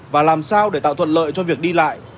và làm sao để tạo thuận lợi cho việc đi lại